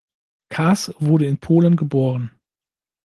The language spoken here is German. Kaas wurde in Polen geboren.